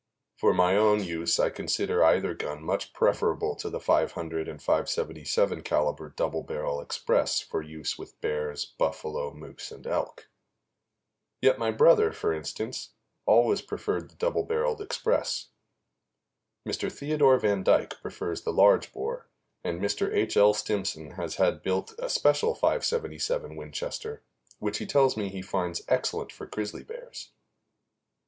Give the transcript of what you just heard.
For my own use I consider either gun much preferable to the .500 and .577 caliber double barreled Express for use with bears, buffalo, moose and elk; yet my brother, for instance, always preferred the double barreled Express; Mr. Theodore Van Dyke prefers the large bore, and Mr. H. L. Stimson has had built a special .577 Winchester, which he tells me he finds excellent for grizzly bears.